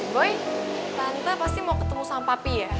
boy tante pasti mau ketemu sama papi ya